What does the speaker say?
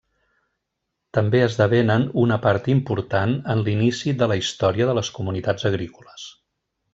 També esdevenen una part important en l'inici de la història de les comunitats agrícoles.